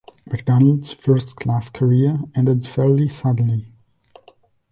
McDonald's first-class career ended fairly suddenly.